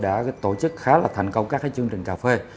đã tổ chức khá là thành công các chương trình cà phê